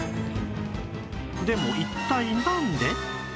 でも一体なんで？